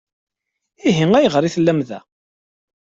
Ihi ayɣer i tellamt da?